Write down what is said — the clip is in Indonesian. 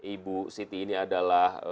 ibu siti ini adalah